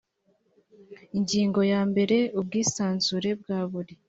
ingingo ya mbere ubwisanzure bwa buri